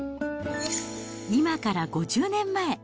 今から５０年前。